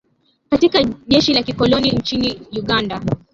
katika jeshi la kikoloni nchini Uganda